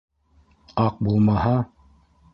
Аҡ булмаһа?